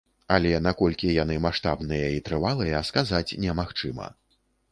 Але наколькі яны маштабныя і трывалыя, сказаць немагчыма.